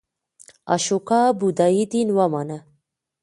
اشوکا بودایی دین ومانه.